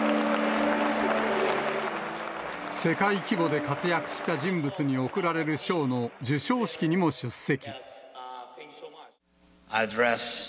世界規模で活躍した人物に贈られる賞の授賞式にも出席。